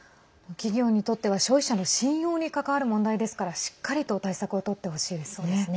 企業にとっては消費者の信用に関わる問題ですからしっかりと対策をとってほしいですね。